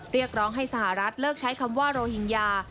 เรียกร้องให้สหรัฐเลิกใช้คำว่าโรหิงญา